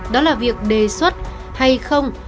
đó là việc đề xuất hay không